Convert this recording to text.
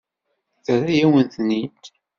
Terra-yawen-ten-id.